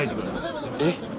えっ？